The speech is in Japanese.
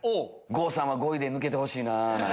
郷さんは５位で抜けてほしいな。